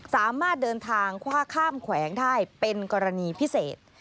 สามารถเดินทางคว่าข้ามแขวงได้เป็นกรณีพิเศษ